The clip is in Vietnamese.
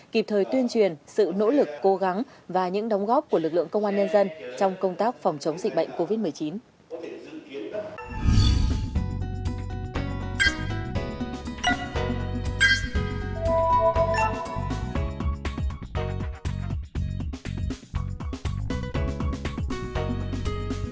kịp thời tuyên truyền sự nỗ lực cố gắng và những đóng góp của lực lượng công an nhân dân trong công tác phòng chống dịch bệnh covid một mươi chín